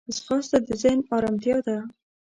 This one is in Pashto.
ځغاسته د ذهن ارمتیا ده